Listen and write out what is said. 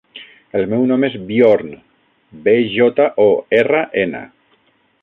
El meu nom és Bjorn: be, jota, o, erra, ena.